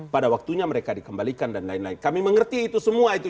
pada waktunya mereka dikembalikan dan lain lain kami mengerti itu semua itu